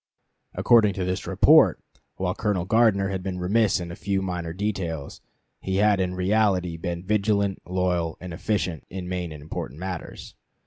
According to this report, while Colonel Gardner had been remiss in a few minor details, he had in reality been vigilant, loyal, and efficient in main and important matters.